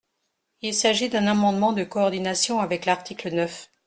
Il s’agit d’un amendement de coordination avec l’article neuf.